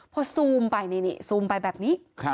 พอซูมไปนี่ซูมไปแบบนี้